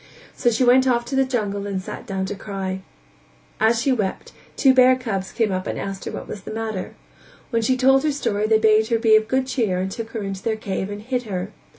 So she went off to the jungle and sat down to cry; as she wept two bear cubs came up and asked what was the matter; when she told her story they bade her be of good cheer and took her into their cave and hid her.